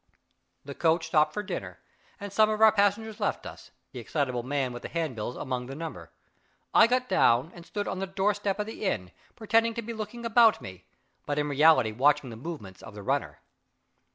The coach stopped for dinner; and some of our passengers left us, the excitable man with the handbills among the number. I got down, and stood on the doorstep of the inn, pretending to be looking about me, but in reality watching the movements of the runner.